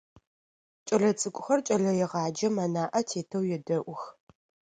Кӏэлэцӏыкӏухэр кӏэлэегъаджэм анаӏэ тетэу едэӏух.